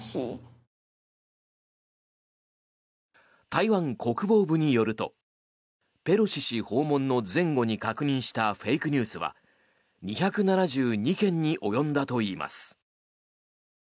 台湾国防部によるとペロシ氏訪問の前後に確認したフェイクニュースは２７２件に及んだといいます。